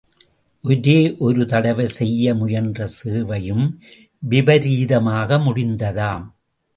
ஒரே ஒரு தடவை செய்ய முயன்ற சேவையும் விபரீதமாக முடிந்ததாம்.